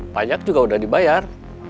payak juga udah dibayar